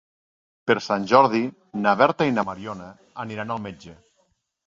Per Sant Jordi na Berta i na Mariona aniran al metge.